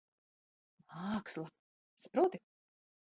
Māksla. Saproti?